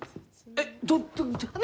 えっ？